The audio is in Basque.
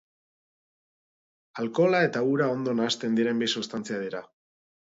Alkohola eta ura ondo nahasten diren bi substantzia dira.